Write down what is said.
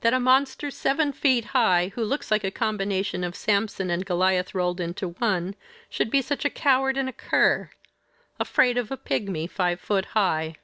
That a monster seven feet high, who looks like a combination of Samson and Goliath rolled into one, should be such a coward and a cur afraid of a pigmy five foot high!